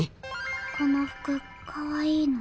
この服かわいいの。